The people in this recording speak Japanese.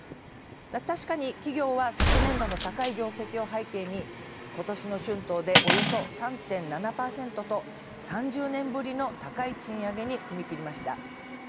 確かに、企業は昨年度の高い業績を背景に今年の春闘でおよそ３．７％と３０年ぶりの高い賃上げに踏み切りました。